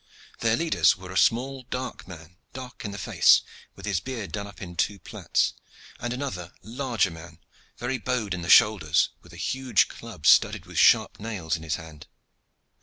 Their leaders were a small man, dark in the face, with his beard done up in two plaits, and another larger man, very bowed in the shoulders, with a huge club studded with sharp nails in his hand.